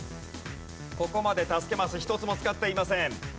ここまで助けマス一つも使っていません。